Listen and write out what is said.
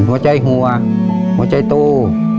หัวใจหัวหัวใจโต